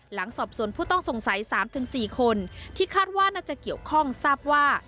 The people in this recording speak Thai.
หลังสอบส่วนผู้ต้องสงสัย๓๔คนที่คาดว่าน่าจะเกี่ยวข้องทราบว่า